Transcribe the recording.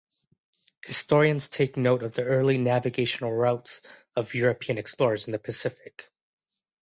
Historians take note of the early navigational routes of European explorers in the Pacific.